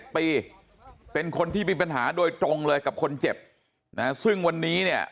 ปีเป็นคนที่มีปัญหาโดยตรงเลยกับคนเจ็บนะซึ่งวันนี้เนี่ย